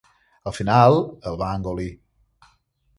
Al final, el va engolir.